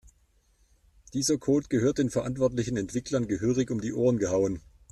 Dieser Code gehört den verantwortlichen Entwicklern gehörig um die Ohren gehauen.